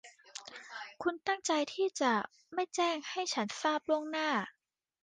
คุณตั้งใจที่จะไม่แจ้งให้ฉันทราบล่วงหน้า ?